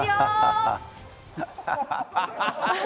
ハハハハ！